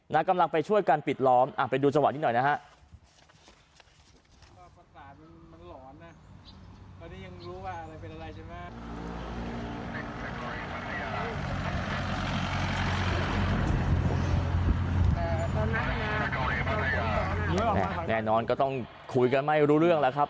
แน่นอนก็ต้องคุยกันไม่รู้เรื่องแล้วครับ